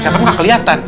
setan tidak kelihatan